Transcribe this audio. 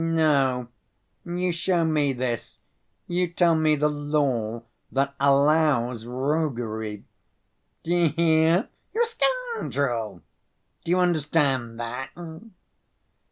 "No, you show me this: you tell me the law that allows roguery. D'you hear? You're a scoundrel! Do you understand that?"